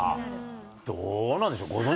どうなんでしょう。